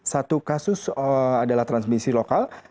satu kasus adalah transmisi lokal